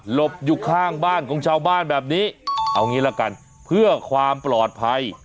บอยู่ข้างบ้านของชาวบ้านแบบนี้เอางี้ละกันเพื่อความปลอดภัย